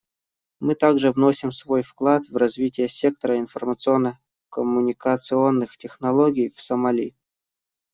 Мы также вносим свой вклад в развитие сектора информационно-коммуникационных технологий в Сомали.